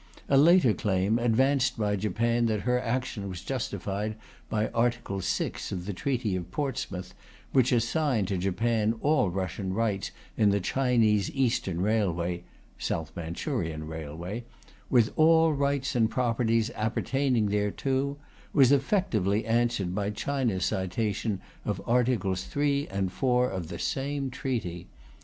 A later claim advanced by Japan that her action was justified by Article VI of the Treaty of Portsmouth, which assigned to Japan all Russian rights in the Chinese Eastern Railway (South Manchurian Railway) 'with all rights and properties appertaining thereto,' was effectively answered by China's citation of Articles III and IV of the same Treaty.